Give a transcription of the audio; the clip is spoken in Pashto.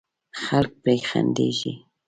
خلک پرې خندېږي.